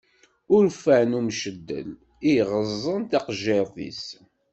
Urfan umceddal, i yeɣeẓẓen taqejjiṛt-is.